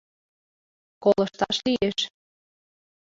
— Колышташ лиеш.